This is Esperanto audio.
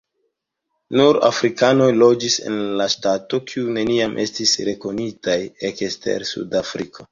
Nur afrikanoj loĝis en la ŝtato, kiu neniam estis rekonitaj ekster Sudafriko.